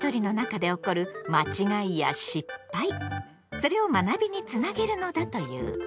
それを学びにつなげるのだという。